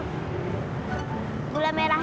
gila ini udah berhasil